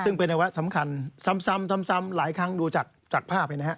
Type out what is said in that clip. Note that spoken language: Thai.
ซึ่งเป็นเอาะสำคัญซัมหลายครั้งดูจากภาพกันนะฮะ